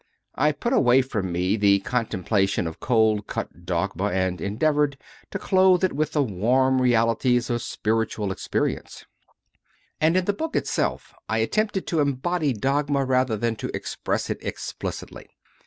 I put away from me the contem plation of cold cut dogma and endeavoured to clothe it with the warm realities of spiritual experience; and in the book itself I attempted to embody dogma rather than to express it explicitly.